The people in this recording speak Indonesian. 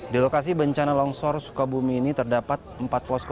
di lokasi bencana longsor sukabumi ini terdapat empat posko